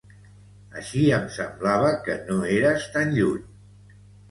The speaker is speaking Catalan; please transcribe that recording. Així em semblava que no eres tan lluny.